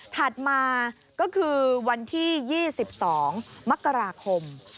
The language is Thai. ถัดมาก็คือวันที่๒๒มกราคม